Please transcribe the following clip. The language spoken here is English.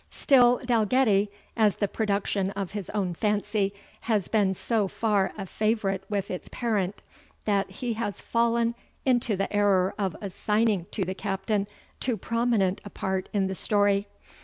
Still Dalgetty, as the production of his own fancy, has been so far a favourite with its parent, that he has fallen into the error of assigning to the Captain too prominent a part in the story.